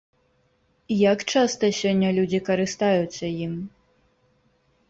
Як часта сёння людзі карыстаюцца ім?